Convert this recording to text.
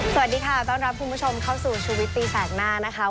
สวัสดีค่ะต้อนรับผู้มันชมเข้าสู่ชูวิสตีศาสต์หน้านะคะ